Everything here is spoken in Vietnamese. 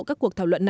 các cuộc thảo luận